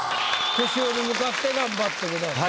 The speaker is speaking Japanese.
句集に向かって頑張ってください。